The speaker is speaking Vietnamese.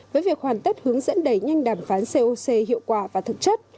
với việc hoàn tất hướng dẫn đẩy nhanh đàm phán coc hiệu quả và thực chất